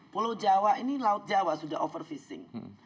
pulau jawa ini laut jawa sudah overfishing